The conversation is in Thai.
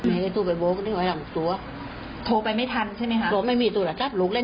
แต่จริงว่าตั้งใจจะโทรไปเตือนอยู่แล้ว